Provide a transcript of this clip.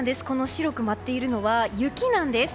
白く舞っているのは雪なんです。